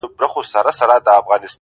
رب دي را وله په خير.!